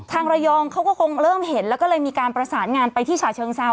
ระยองเขาก็คงเริ่มเห็นแล้วก็เลยมีการประสานงานไปที่ฉาเชิงเซา